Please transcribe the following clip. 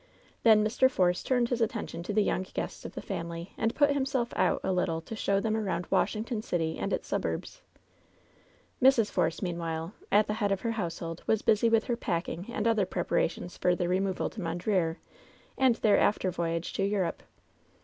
Then Mr. Force turned his attention to the young guests of the family, and put himself out a little to show them around Washington City and its suburbs. Mrs. Force, meanwhile, at the head of her household, was busy with her packing and other preparations for LOVE'S BITTEREST CUP 138 their removal to Mondreer and their after voyage to Europe.